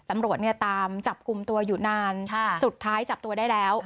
มันตามจับกลุ่มตัวอยู่นานสุดท้ายจับตัวได้แล้ว